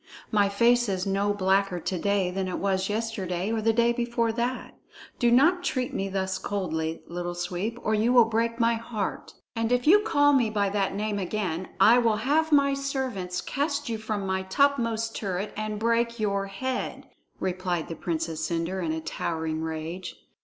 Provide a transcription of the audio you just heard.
My face is no blacker to day than it was yesterday or the day before that. Do not treat me thus coldly, Little Sweep, or you will break my heart." "And if you call me by that name again, I will have my servants cast you from my topmost turret and break your head," replied the Princess Cendre in a towering rage.